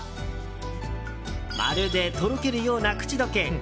まるでとろけるような口溶け。